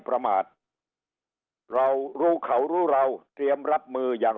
ประมาทเรารู้เขารู้เราเตรียมรับมืออย่าง